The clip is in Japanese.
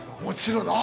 もちろん。